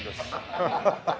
アハハハ。